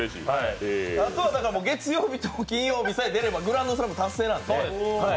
あとは月曜日と金曜日に出ればグランドスラム達成なので。